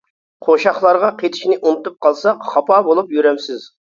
قوشاقلارغا قېتىشنى ئۇنتۇپ قالساق، خاپا بولۇپ يۈرەمسىز.